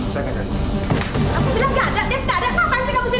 saya akan cari dia